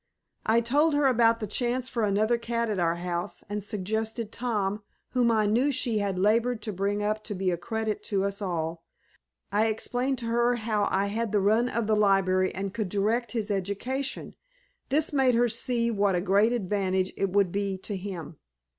I told her about the chance for another cat at our house, and suggested Tom, whom I knew she had labored to bring up to be a credit to us all. I explained to her how I had the run of the library and could direct his education; this made her see what a great advantage it would be to him.